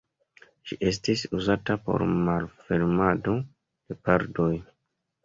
Ĝi estis uzata por malfermado de pordoj.